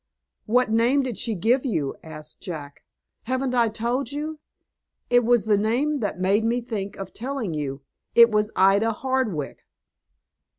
"What name did she give you?" asked Jack. "Haven't I told you? It was the name that made me think of telling you. It was Ida Hardwick."